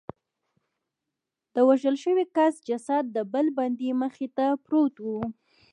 د وژل شوي کس جسد د بل بندي مخې ته پروت و